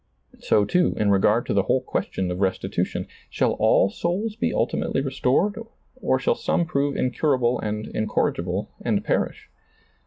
So, too, in regard to the whole question of restitution — shall all souls be ultimately restored, or shall some prove incurable and incorrigible, and perish